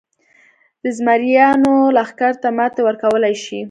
د زمریانو لښکر ته ماتې ورکولای شي.